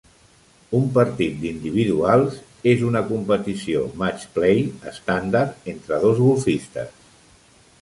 Un partit d'individuals és una competició match play estàndard entre dos golfistes.